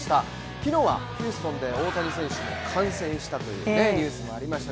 昨日はヒューストンで大谷選手観戦したというニュースもありました